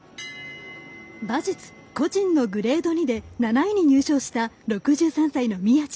馬術個人のグレード２で７位に入賞した、６３歳の宮路。